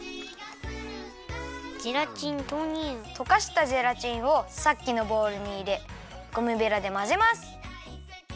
ゼラチンとうにゅう。とかしたゼラチンをさっきのボウルにいれゴムベラでまぜます。